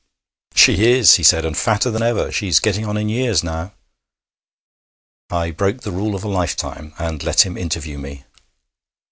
'She is,' he said. 'And fatter than ever! She's getting on in years now.' I broke the rule of a lifetime, and let him interview me.